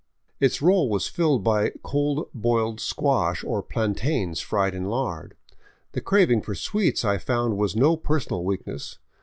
Its role was filled by cold boiled squash, or plantains fried in lard. The craving for sweets I found was no personal weakness.